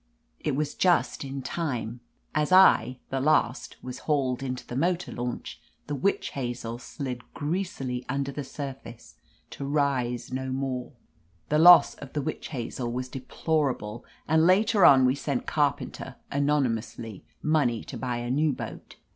It was just in time. As I, the last, was 315 THE AMAZING ADVENTURES hauled into the motor launch, the Witch Hazel slid greasily under the surface, to rise no more. (The loss of the Witch Hazel was deplor able, and later on we sent Carpenter, anony mously, money to buy a new boat.